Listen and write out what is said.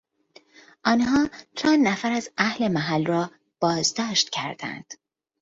آنها چند نفر از اهل محل را بازداشت کردند.